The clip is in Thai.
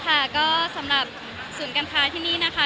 ค่ะก็สำหรับศูนย์การค้าที่นี่นะคะ